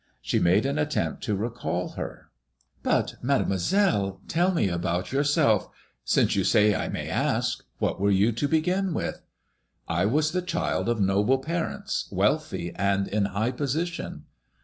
She made an attempt to recall her. But, Mademoiselle, tell me about yourself. Since you say I may ask, what were you to begin with ?••I was the child of noble parents, wealthy, and in high position.''